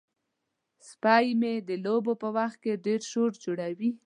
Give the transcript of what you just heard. سپی مې د لوبو په وخت کې ډیر شور جوړوي.